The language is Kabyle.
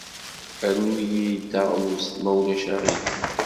Rnu-iyi-d taɣlust, ma ulac aɣilif.